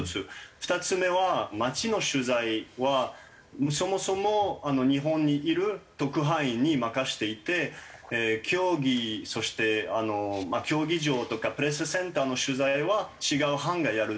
２つ目は街の取材はそもそも日本にいる特派員に任せていて競技そしてまあ競技場とかプレスセンターの取材は違う班がやるっていう事で。